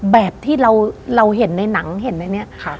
แบบที่เราเห็นในหนังเห็นในนี้